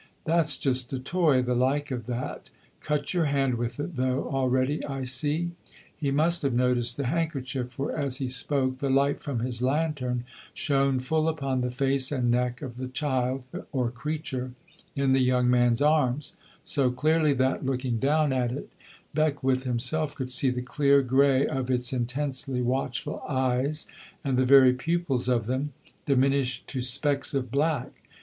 That's just a toy, the like of that. Cut your hand with it, though, already, I see." He must have noticed the handkerchief, for as he spoke the light from his lantern shone full upon the face and neck of the child, or creature, in the young man's arms, so clearly that, looking down at it, Beckwith himself could see the clear grey of its intensely watchful eyes, and the very pupils of them, diminished to specks of black.